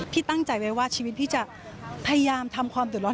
พี่ตั้งใจไว้ว่าชีวิตพี่จะพยายามทำความเดือดร้อน